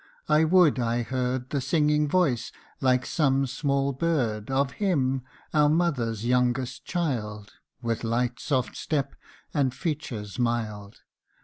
I would I heard The singing voice, like some small bird, Of him, our mother's youngest child, With light soft step, and features mild.